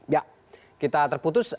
ya kita terputus